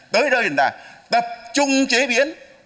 tới đây là tập trung chế biến